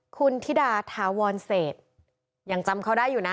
คุณธิดาถาวรเศษยังจำเขาได้อยู่นะ